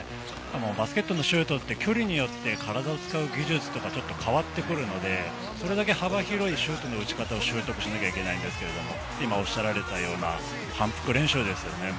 バスケットのシュートって距離によって体を使う技術とか変わってくるので、それだけ幅広いシュートの打ち方を習得しなきゃいけないんですけれども、今おっしゃったような反復練習ですよね。